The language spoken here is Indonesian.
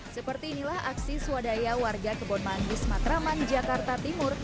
seperti inilah aksi swadaya warga kebonmandis matraman jakarta timur